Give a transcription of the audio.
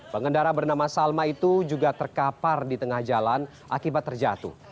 pengendara bernama salma itu juga terkapar di tengah jalan akibat terjatuh